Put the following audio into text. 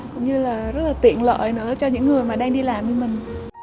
cũng như là rất là tiện lợi nữa cho những người mà đang đi làm như mình